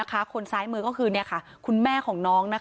คนซ้ายมือก็คือคุณแม่ของน้อง